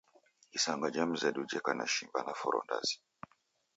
Isanga jha mzedu jheko na shimba na foro ndazi